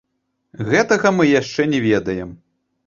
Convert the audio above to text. Гэтага мы яшчэ не ведаем.